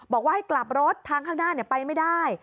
บอกว่าให้กลับรถทางข้างหน้าไปไม่ได้